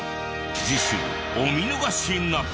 次週お見逃しなく。